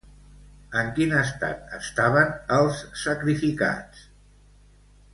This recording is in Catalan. En quin estat estaven els sacrificats?